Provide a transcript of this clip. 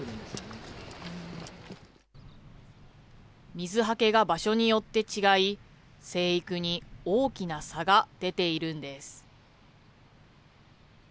水はけが場所によって違い、生育に大きな差が出ているんです。